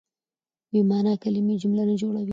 بې مانا کیلمې جمله نه جوړوي.